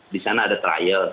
di sana ada trial